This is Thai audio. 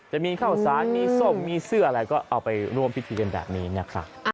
จะมีข้าวสารมีส้มมีเสื้ออะไรก็เอาไปร่วมพิธีกันแบบนี้นะครับ